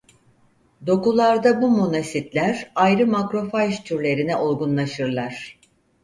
Dokularda bu monositler ayrı makrofaj türlerine olgunlaşırlar.